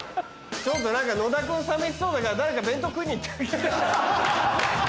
ちょっと何か野田君さみしそうだから誰か弁当食いに行ってあげて。